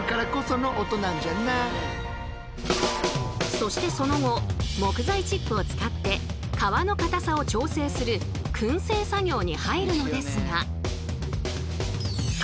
そしてその後木材チップを使って皮のかたさを調整するくん製作業に入るのですが。